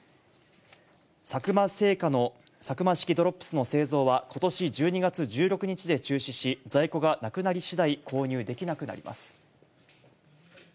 佐久間製菓のサクマ式ドロップスの製造は、ことし１２月１６日で中止し、在庫がなくなりしだい購入できなくなります。